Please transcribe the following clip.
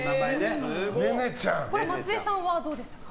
これ、松井さんはどうでしたか？